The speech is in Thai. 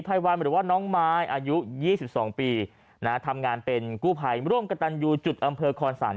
ภัยวันหรือว่าน้องไม้อายุ๒๒ปีนะฮะทำงานเป็นกู้ภัยร่วมกับตันยูจุดอำเภอคอนสรรค